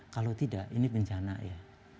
kalau tidak ini bencana ya